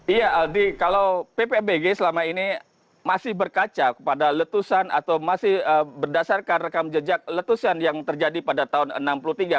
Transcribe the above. iya aldi kalau pppg selama ini masih berkaca pada letusan atau masih berdasarkan rekam jejak letusan yang terjadi pada tenggara